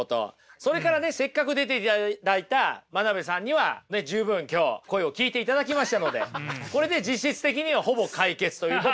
それからねせっかく出ていただいた真鍋さんには十分今日声を聞いていただきましたのでこれで実質的にはほぼ解決ということで。